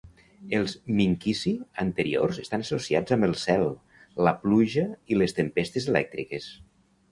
Els "minkisi" anteriors estan associats amb el cel, la pluja i les tempestes elèctriques.